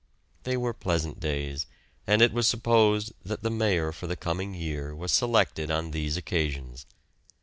They were pleasant days, and it was supposed that the Mayor for the coming year was selected on these occasions.